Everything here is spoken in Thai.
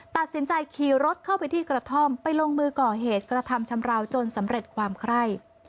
ตัดสินใจขี่รถเข้าไปที่กระท่อมไปลงมือก่อเหตุกระทำชำราวจนสำเร็จความไคร่